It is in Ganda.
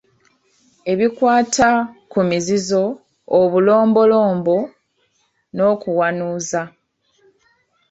Ebikwata ku mizizo, obulombolombo n’okuwanuuza.